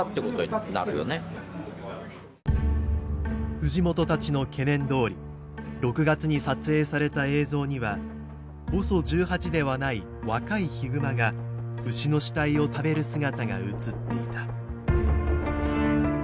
藤本たちの懸念どおり６月に撮影された映像にはＯＳＯ１８ではない若いヒグマが牛の死体を食べる姿が映っていた。